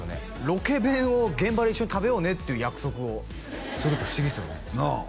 ロケ弁を現場で一緒に食べようねっていう約束をするって不思議ですよねなあ